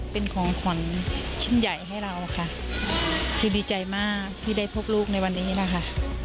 เป็นของขวัญชิ้นใหญ่ให้เราค่ะคือดีใจมากที่ได้พบลูกในวันนี้นะคะ